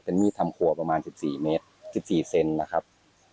เป็นมีดทำขัวประมาณ๑๔เมตร๑๔เซนต์นะครับ